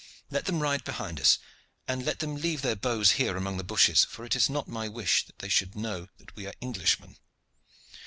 Let them ride behind us, and let them leave their bows here among the bushes for it is not my wish that they should know that we are Englishmen.